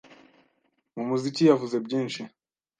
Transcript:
mu muziki yavuze byinshi